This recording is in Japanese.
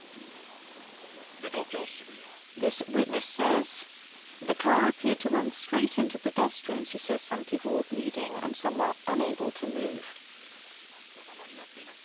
そして道路上、車が止まったままになっています。